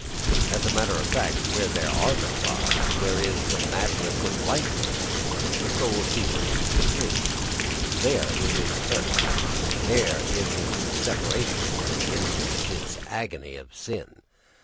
As a matter of fact, where there are no bonds, where there is the madness of license, the soul ceases to be free. There is its hurt; there is its separation from the infinite, its agony of sin.